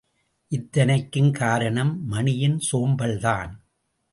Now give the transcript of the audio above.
இத்தனைக்கும் காரணம் மணியின் சோம்பல்தான்.